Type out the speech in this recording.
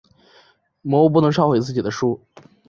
魔物不能烧毁自己的书。